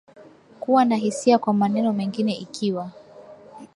Kuwa na hisia kwa maneno mengine Ikiwa